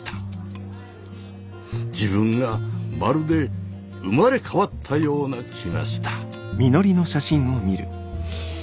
自分がまるで生まれ変わったような気がした。